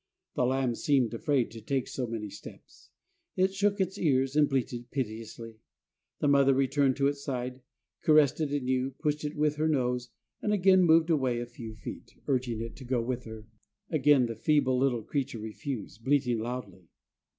The lamb seemed afraid to take so many steps. It shook its ears and bleated piteously. The mother returned to its side, caressed it anew, pushed it with her nose, and again moved away a few feet, urging it to go with her. Again the feeble little creature refused, bleating loudly.